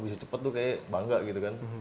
bisa cepet tuh kayak bangga gitu kan